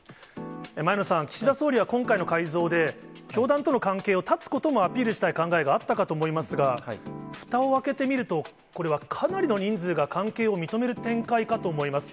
前野さん、岸田総理は今回の改造で、教団との関係を断つこともアピールしたい考えもあったかと思いますが、ふたを開けてみると、これはかなりの人数が関係を認める展開かと思います。